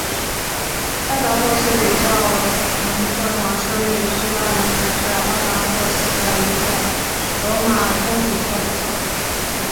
巴达霍斯主教座堂是位于西班牙城市巴达霍斯的一座罗马天主教的教堂。